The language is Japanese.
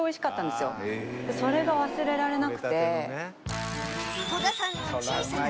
それが忘れられなくて。